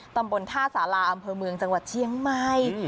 ตำบลท่าสาราอำเภอเมืองจังหวัดเชียงใหม่